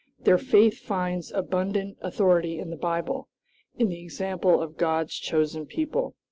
Their faith finds abundant authority in the Bible, in the example of God's chosen people.